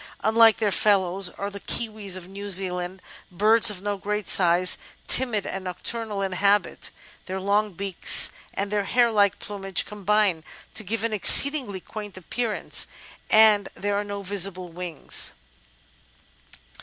Unlike their fellows are the Kiwis of New Zealand, birds of no great size, timid and nocturnal in habit; their long beaks and their hair like plumage combine to give an exceedingly quaint appearance, and there are no visible wings.